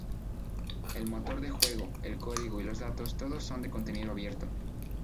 El motor de Juego, el código y los datos, todos son de contenido abierto.